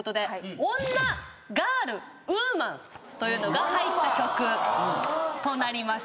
ガールウーマンというのが入った曲となります。